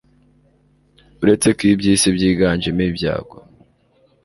uretse ko iby'isi byiganjemo ibyago